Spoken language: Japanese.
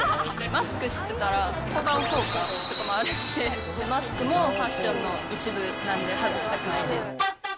マスクしてたら、小顔効果もあるし、マスクもファッションの一部なんで、外したくないです。